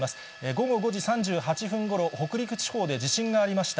午後５時３８分ごろ、北陸地方で地震がありました。